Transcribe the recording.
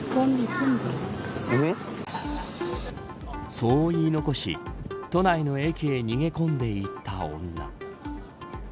そう言い残し都内の駅へ逃げ込んで行った女。